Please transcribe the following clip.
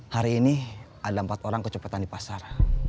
hari ini ada empat orang kecepatan di pasar